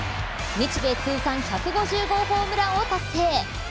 日米通算１５０号ホームランを達成。